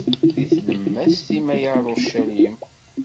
Di tlemmast-im, a Yarucalim!